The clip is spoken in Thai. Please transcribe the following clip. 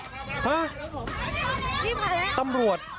ฮะตำรวจ